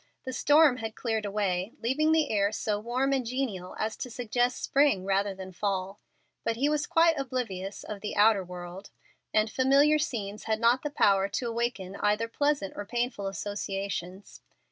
The storm had cleared away, leaving the air so warm and genial as to suggest spring rather than fall; but he was quite oblivious of the outer world, and familiar scenes had not the power to awaken either pleasant or painful associations.